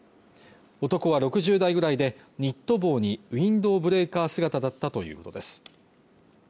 男は６０代くらいでニット帽にウインドブレーカー姿だったということです